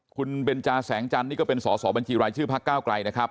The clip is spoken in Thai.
คุณเบนจาแสงจันทร์นี่ก็เป็นสอสอบัญชีรายชื่อพักเก้าไกลนะครับ